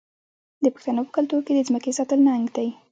د پښتنو په کلتور کې د ځمکې ساتل ننګ دی.